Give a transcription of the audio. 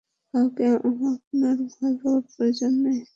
কাউকে আপনার ভয় পাবার প্রয়োজন নেই।